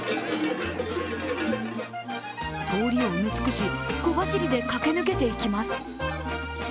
通りを埋め尽くし、小走りで駆け抜けていきます。